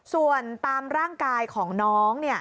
ส่วนตามร่างกายของน้อง